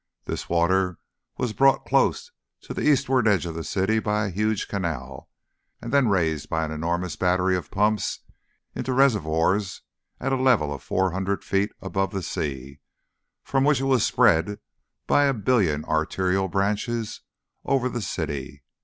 This water was brought close to the eastward edge of the city by a huge canal, and then raised by an enormous battery of pumps into reservoirs at a level of four hundred feet above the sea, from which it spread by a billion arterial branches over the city.